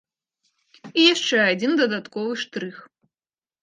І яшчэ адзін дадатковы штрых.